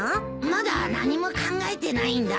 まだ何も考えてないんだ。